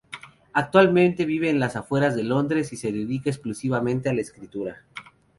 Actualmente vive a las afueras de Londres y se dedica exclusivamente a la escritura.